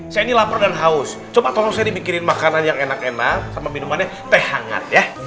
saya ini lapar dan haus coba tolong saya dipikirin makanan yang enak enak sama minumannya teh hangat ya